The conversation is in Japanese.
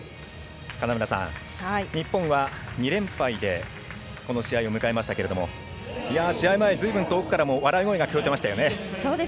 日本は２連敗でこの試合を迎えましたけども試合前、ずいぶん遠くからも笑い声が聞こえていましたよね。